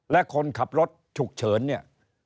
และคนขับรถฉุกเฉิน